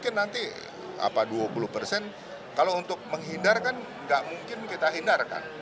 nanti dua puluh persen kalau untuk menghindarkan tidak mungkin kita hindarkan